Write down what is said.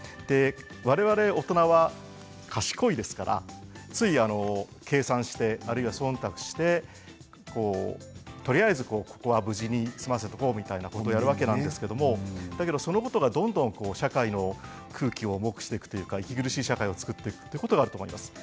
我々、大人は賢いですからつい計算して、そんたくしてとりあえず、ここは無事に済ませておこうということをやるわけですけれどそのことがどんどん社会の空気を重くしていって息苦しい社会を作っているということもあります。